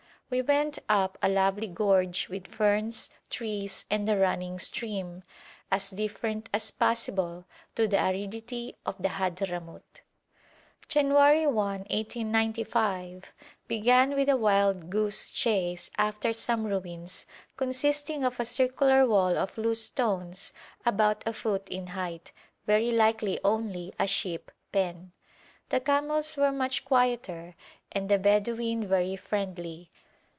We went up a lovely gorge with ferns, trees, and a running stream, as different as possible to the aridity of the Hadhramout. January 1, 1895, began with a wild goose chase after some ruins consisting of a circular wall of loose stones about a foot in height, very likely only a sheep pen. The camels were much quieter and the Bedouin very friendly.